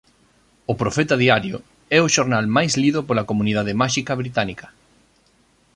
O Profeta Diario é o xornal máis lido pola comunidade máxica británica.